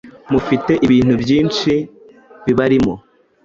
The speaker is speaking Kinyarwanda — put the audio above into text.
mufite ibintu byinshi bibarimo.”